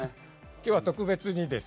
今日は特別です。